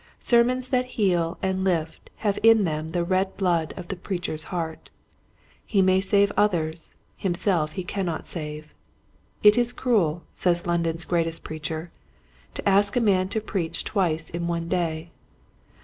Sermons that heal and lift have in them the red blood of the preacher's heart. He may save others, himself he cannot save. It is cruel, says London's greatest preacher, to ask a man to preach twice in one day.